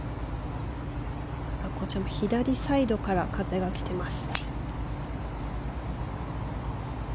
左サイドから風が来ています。